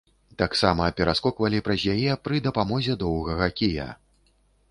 Таксама пераскоквалі праз яе пры дапамозе доўгага кія.